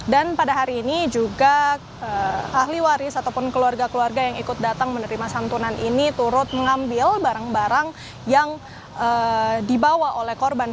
dan pada hari ini juga ahli waris ataupun keluarga keluarga yang ikut datang menerima santunan ini turut mengambil barang barang yang dibawa oleh korban